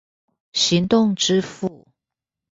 行動支付